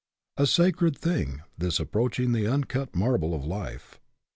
A sacred thing, this, approaching the uncut marble of life.